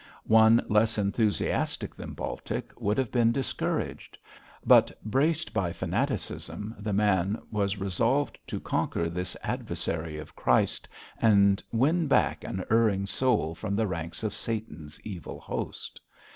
One less enthusiastic than Baltic would have been discouraged, but, braced by fanaticism, the man was resolved to conquer this adversary of Christ and win back an erring soul from the ranks of Satan's evil host.